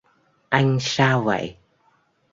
Anh sao vậy